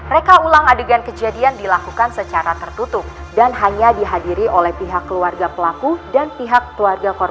reka ulang adegan kejadian dilakukan secara tertutup dan hanya dihadiri oleh pihak keluarga pelaku dan pihak keluarga korban